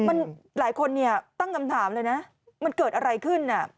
มันหลายคนเนี่ยตั้งคำถามเลยนะมันเกิดอะไรขึ้นน่ะ